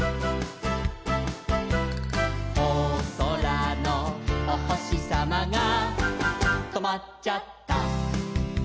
「おそらのおほしさまがとまっちゃった」